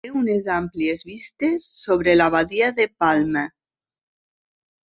Té unes amples vistes sobre la badia de Palma.